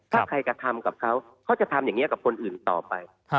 ถ้าใครกระทำกับเขาเขาจะทำอย่างนี้กับคนอื่นต่อไป